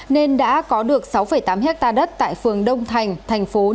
nên đã có được sáu tám hectare đất tại phường đông thành